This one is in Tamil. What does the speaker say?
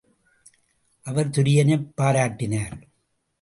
அவர் துரியனைப் பாராட்டினார்.